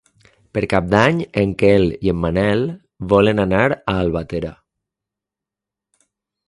Per Cap d'Any en Quel i en Manel volen anar a Albatera.